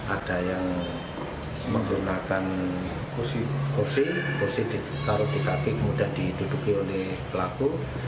ada yang menggunakan kursi kursi ditaruh di kaki kemudian diduduki oleh pelaku